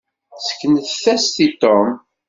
Seknet-as-t i Tom.